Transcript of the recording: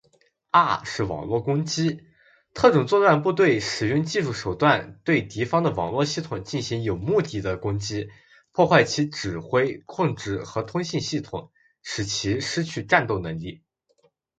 二是网络攻击。特种作战部队使用技术手段对敌方的网络系统进行有目的的攻击，破坏其指挥、控制和通信系统，使其失去战斗能力。